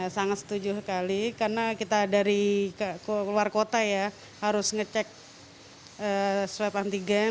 sangat setuju sekali karena kita dari luar kota ya harus ngecek swab antigen